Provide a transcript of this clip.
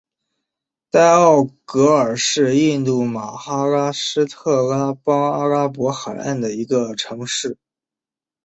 代奥格尔是印度马哈拉施特拉邦阿拉伯海岸的一个城市。